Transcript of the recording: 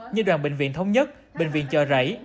như đoàn bệnh viện thống nhất bệnh viện chợ rẫy